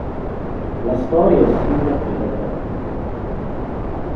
La storia è simile a quella della Bibbia.